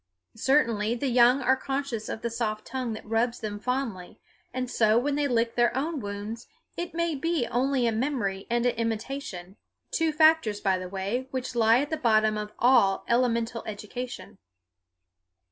Certainly the young are conscious of the soft tongue that rubs them fondly, and so when they lick their own wounds it may be only a memory and an imitation, two factors, by the way, which lie at the bottom of all elemental education.